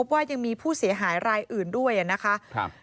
ว่ายังมีผู้เสียหายรายอื่นด้วยนะคะ